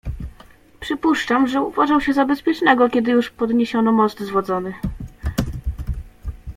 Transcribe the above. "Przypuszczam, że uważał się za bezpiecznego, kiedy już podniesiono most zwodzony."